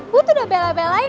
gue tuh udah bela belain